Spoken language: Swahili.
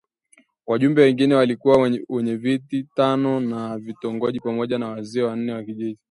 Wajumbe wengine walikuwa wenyeviti tano wa vitongoji pamoja na wazee wanne wa kijiji